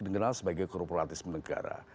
dikenal sebagai korporatisme negara